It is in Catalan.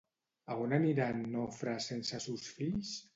A on anirà en Nofre sense sos fills?